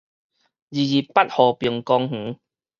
二二八和平公園